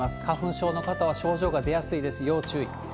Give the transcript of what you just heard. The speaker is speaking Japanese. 花粉症の方は症状が出やすいです、要注意。